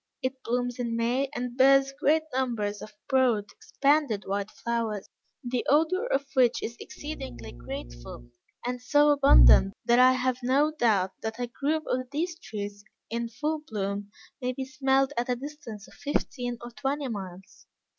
It blooms in May, and bears great numbers of broad, expanded white flowers, the odor of which is exceedingly grateful, and so abundant, that I have no doubt that a grove of these trees in full bloom, may be smelled at a distance of fifteen or twenty miles.